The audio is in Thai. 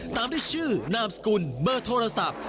ตามด้วยชื่อนามสกุลเบอร์โทรศัพท์